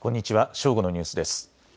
正午のニュースです。